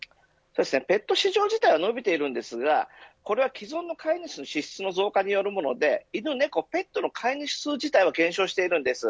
ペット市場自体は伸びているんですがこれは既存の飼い主の支出の増加によるものでペットの飼い主自体は減少しているんです。